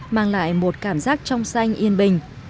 mang lại một cảm giác trong xanh yên bình